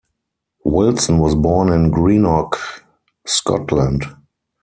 Wilson was born in Greenock, Scotland.